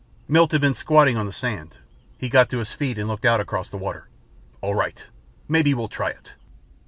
Milt had been squatting on the sand. He got to his feet and looked out across the water. "All right. Maybe we'll try it."